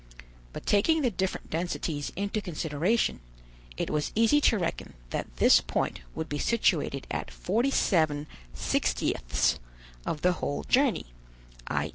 But taking the different densities into consideration, it was easy to reckon that this point would be situated at 47/60ths of the whole journey, _i.